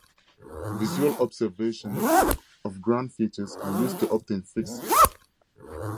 Visual observations of ground features are used to obtain fixes.